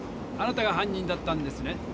あなたが犯人だったんですね？